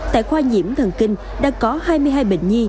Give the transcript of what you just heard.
tại khoa nhiễm thần kinh đã có hai mươi hai bệnh nhi